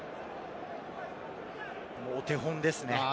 お手本ですね。